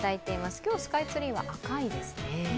今日スカイツリーは赤いですね。